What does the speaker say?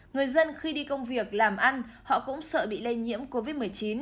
người dân khi đi công việc làm ăn họ cũng sợ bị lây nhiễm covid một mươi chín